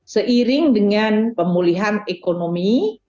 seiring dengan pemulihan ekonomi